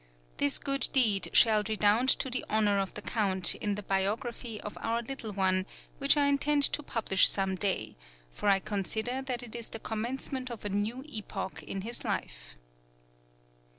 This good deed shall redound to the honour of the Count in the biography of our little one which I intend to publish some day, for I consider that it is the commencement of a new epoch in his life."